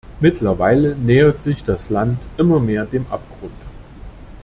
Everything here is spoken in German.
Mittlerweile nähert sich das Land immer mehr dem Abgrund.